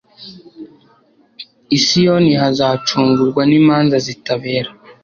i siyoni hazacungurwa n'imanza zitabera